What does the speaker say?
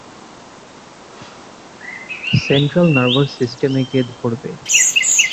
Central nervous সিস্টেমে গিয়ে ধরবে।